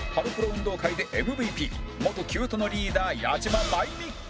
運動会で ＭＶＰ 元 ℃−ｕｔｅ のリーダー矢島舞美